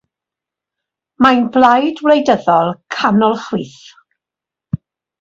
Mae'n blaid wleidyddol canol-chwith.